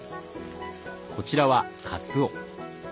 こちらはかつお。